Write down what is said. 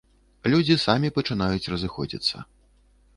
Людзі самі пачынаюць разыходзіцца.